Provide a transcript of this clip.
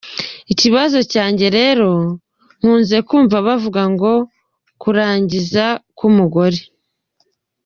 Ikibazo cyanjye rero: nkunze kumva bavuga ngo kurangiza k’umugore.